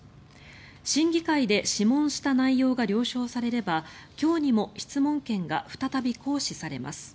審議会で諮問した内容が了承されれば今日にも質問権が再び行使されます。